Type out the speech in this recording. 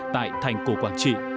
tại thành cổ quảng trị